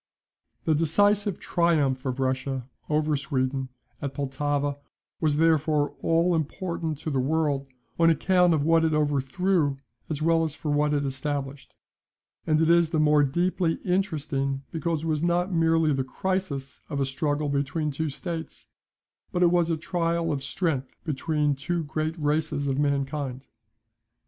The decisive triumph of Russia over Sweden at Pultowa was therefore all important to the world, on account of what it overthrew as well as for what it established; and it is the more deeply interesting because it was not merely the crisis of a struggle between two states, but it was a trial of strength between two great races of mankind.